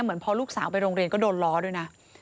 เหมือนพอลูกสาวไปโรงเรียนก็โดนล้อด้วยนะ